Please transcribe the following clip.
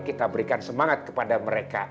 kita berikan semangat kepada mereka